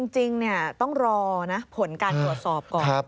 จริงต้องรอนะผลการตรวจสอบก่อน